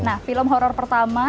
nah film horror pertama